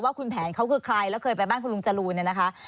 ว่าคุณแผนเขาคือใครแล้วเคยไปบ้านคุณลุงจรูนเนี่ยนะคะ